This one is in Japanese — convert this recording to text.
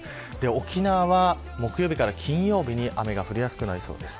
沖縄は木曜日から金曜日に雨が降りやすくなりそうです。